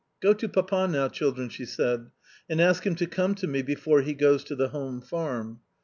"Go to Papa now, children," she said, "and ask him to come to me before he goes to the home farm."